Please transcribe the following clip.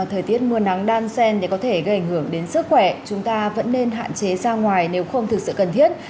thời tiết mưa nắng đan sen có thể gây ảnh hưởng đến sức khỏe chúng ta vẫn nên hạn chế ra ngoài nếu không thực sự cần thiết